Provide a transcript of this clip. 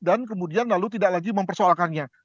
dan kemudian lalu tidak lagi mempersoalkannya